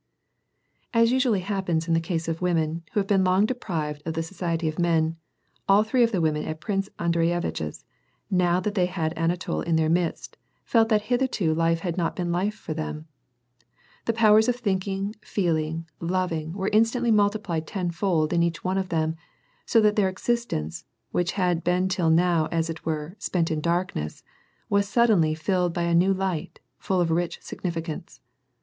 As usually happens in the case of women, who have been longed deprived of the society of men, all three of the women at Prince Andreyevitch's, now that they had Anatol in their midst, felt that hitherto life had not been life for them. The powers of thinking, feeling, loving, were instantly multiplied tenfold in each one of them, so that their existence, which had been till now as it were, spent in darkness, was suddenly tilled by a new light, full of rich significance.